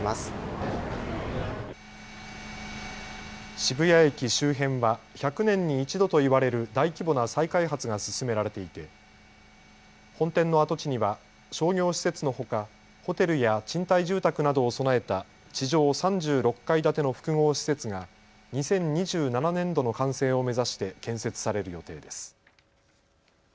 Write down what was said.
渋谷駅周辺は１００年に一度と言われる大規模な再開発が進められていて本店の跡地には商業施設のほかホテルや賃貸住宅などを備えた地上３６階建ての複合施設が２０２７年度の完成を目指して建設される予定です。